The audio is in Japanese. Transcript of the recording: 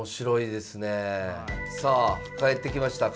さあ帰ってきました